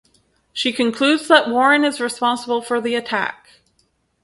She concludes that Warren is responsible for the attack.